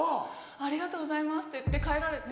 「ありがとうございます」って言って帰られて。